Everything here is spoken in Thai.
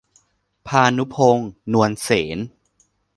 ภานุพงษ์ นวลเสน